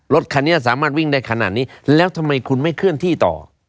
รถคันนี้สามารถวิ่งได้ขนาดนี้แล้วทำไมคุณไม่เคลื่อนที่ต่อ